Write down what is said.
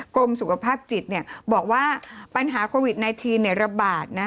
กรมสุขภาพจิตบอกว่าปัญหาโควิด๑๙ระบาดนะ